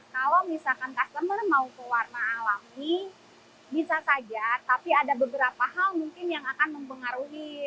kalau misalkan customer mau ke warna alami bisa saja tapi ada beberapa hal mungkin yang akan mempengaruhi